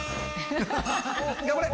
頑張れ！